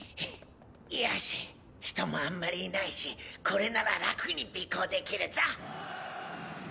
よし人もあんまりいないしこれなら楽に尾行できるぞ。